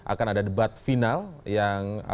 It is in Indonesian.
akan ada debat final yang